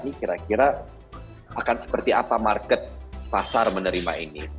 ini kira kira akan seperti apa market pasar menerima ini